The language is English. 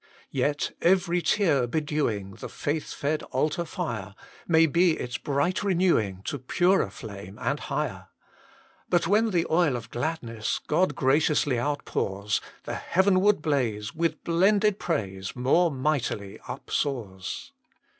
Yet every tear bedewing The faith fed altar fire May be its bright renewing To purer flame, and higher. But when the oil of gladness God graciously outpours, The heavenward blaze, With blended praise, More mightily upsoars.